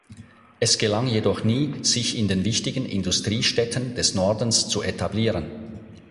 Es gelang jedoch nie, sich in den wichtigen Industriestädten des Nordens zu etablieren.